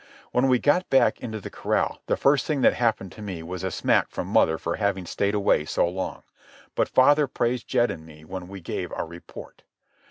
When we got back into the corral the first thing that happened to me was a smack from mother for having stayed away so long; but father praised Jed and me when we gave our report.